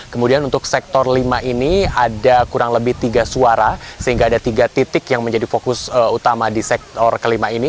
kemudian untuk sektor lima ini ada kurang lebih tiga suara sehingga ada tiga titik yang menjadi fokus utama di sektor kelima ini